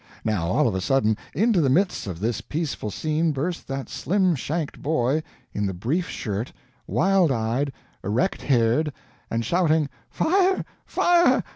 Now all of a sudden, into the midst of this peaceful scene burst that slim shanked boy in the brief shirt, wild eyed, erect haired, and shouting, "Fire, fire!